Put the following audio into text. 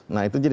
nah itu jadi